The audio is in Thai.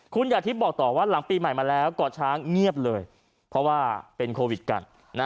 คุณหยาทิพย์บอกต่อว่าหลังปีใหม่มาแล้วก่อช้างเงียบเลยเพราะว่าเป็นโควิดกัน